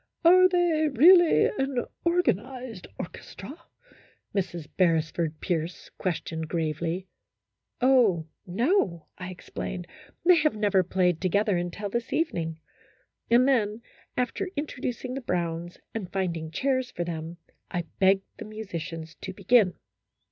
" Are they really an organized orchestra ?" Mrs. Beresford Pierce questioned, gravely. " Oh, no," I explained, " they have never played together until this evening," and then, after intro ducing the Browns, and finding chairs for them, I begged the musicians to begin.